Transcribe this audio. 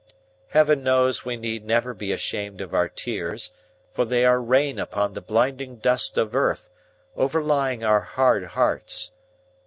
Heaven knows we need never be ashamed of our tears, for they are rain upon the blinding dust of earth, overlying our hard hearts.